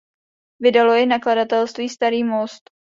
Vydalo jej nakladatelství Starý most.